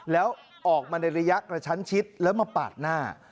แล้วออกมาในระยะกระชั้นชิดแล้วมาปาดหน้า